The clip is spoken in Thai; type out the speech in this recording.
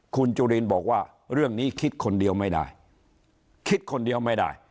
คุณจุลินบอกว่าเรื่องนี้คิดคนเดียวไม่ได้คิดคนเดียวไม่ได้